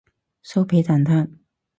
酥皮蛋撻